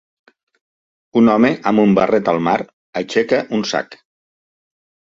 Un home amb un barret al mar, aixeca un sac.